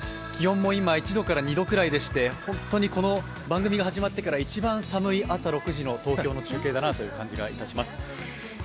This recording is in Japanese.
気温も今１度から２度くらいでして番組が始まってから一番寒い朝６時の東京の中継だなという感じがします。